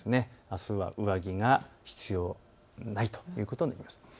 あすは上着が必要ないということになります。